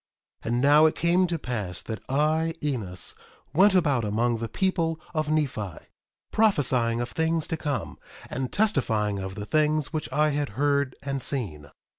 1:19 And now it came to pass that I, Enos, went about among the people of Nephi, prophesying of things to come, and testifying of the things which I had heard and seen.